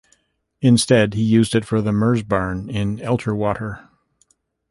Instead he used it for the "Merzbarn" in Elterwater.